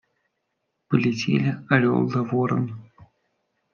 Полетели орел да ворон.